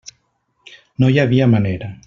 No hi havia manera.